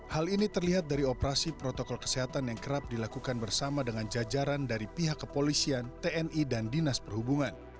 hal ini terlihat dari operasi protokol kesehatan yang kerap dilakukan bersama dengan jajaran dari pihak kepolisian tni dan dinas perhubungan